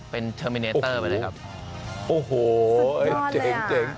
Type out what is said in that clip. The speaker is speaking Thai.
เป็นเทอร์มิเนเตอร์ไปเลยครับสุดยอดเลยอ่ะโอ้โหเจ๋ง